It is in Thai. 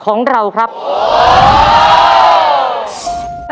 คุณฝนจากชายบรรยาย